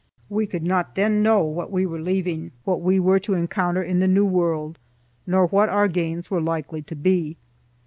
We could not then know what we were leaving, what we were to encounter in the New World, nor what our gains were likely to be.